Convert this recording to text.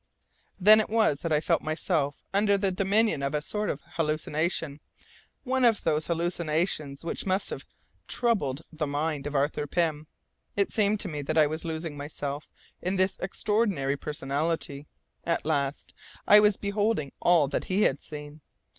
Then it was that I felt myself under the dominion of a sort of hallucination, one of those hallucinations which must have troubled tile mind of Arthur Pym. It seemed to me that I was losing myself in his extraordinary personality; at last I was beholding all that he had seen!